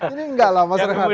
ini enggak lah mas rehat